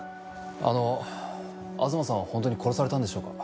あの東さんは本当に殺されたんでしょうか？